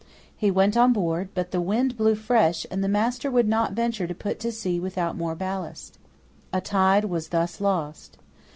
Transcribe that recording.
He went on board: but the wind blew fresh; and the master would not venture to put to sea without more ballast. A tide was thus lost.